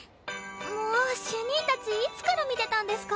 もう主任たちいつから見てたんですか？